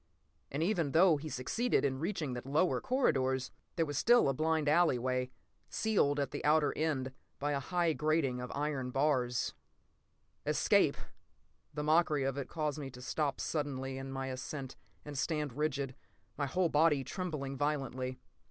And even though he succeeded in reaching the lower corridors, there was still a blind alley way, sealed at the outer end by a high grating of iron bars.... Escape! The mockery of it caused me to stop suddenly in my ascent and stand rigid, my whole body trembling violently.